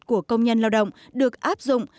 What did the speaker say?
của công nhân lao động được áp dụng